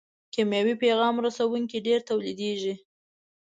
کیمیاوي پیغام رسوونکي ډېر تولیدیږي.